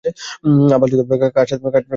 আবালচোদা, কার সাথে কথা বলছিস জানিস?